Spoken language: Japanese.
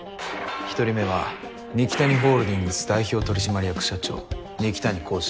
１人目は二木谷ホールディングス代表取締役社長二木谷皓司。